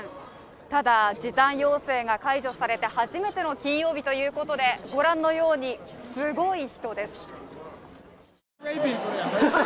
ただ、時短要請が解除されて初めての金曜日ということでご覧のようにすごい人です。